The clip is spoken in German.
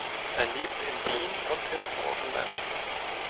Er lebt in Wien und im Burgenland.